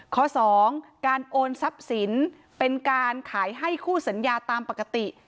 ข้อสองการโอนทรัพย์สินเป็นการขายให้คู่สัญญาตามปกติ